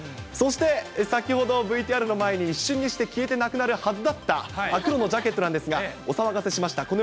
そして、先ほどＶＴＲの前に一瞬にして消えてなくなるはずだった黒のジャケットなんですが、お騒がせしました。